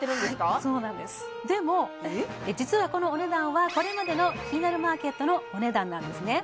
はいそうなんですでも実はこのお値段はこれまでの「キニナルマーケット」のお値段なんですね